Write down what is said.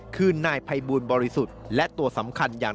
คือนายภัยบูลบริสุทธิ์และตัวสำคัญอย่าง